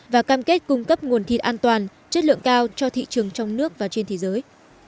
và cam kết cung cấp nguồn thịt an toàn chất lượng cao cho thị trường trong nước và trên thế giới